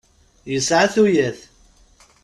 Yesεa tuyat.